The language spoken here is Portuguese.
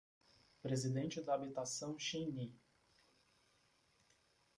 Presidente da Habitação Xinyi